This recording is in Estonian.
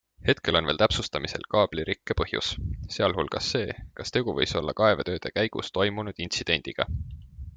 Hetkel on veel täpsustamisel kaablirikke põhjus, sealhulgas see, kas tegu võis olla kaevetööde käigus toimunud intsidendiga.